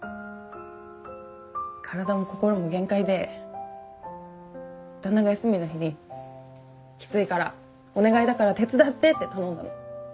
体も心も限界で旦那が休みの日に「きついからお願いだから手伝って」って頼んだの。